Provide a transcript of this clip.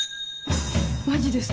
マジですか。